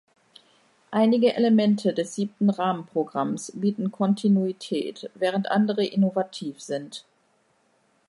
Einige Elemente des Siebten Rahmenprogramms bieten Kontinuität, während andere innovativ sind.